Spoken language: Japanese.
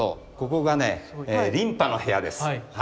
ここがね琳派の部屋です。